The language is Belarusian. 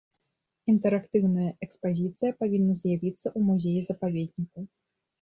Інтэрактыўная экспазіцыя павінна з'явіцца ў музеі-запаведніку.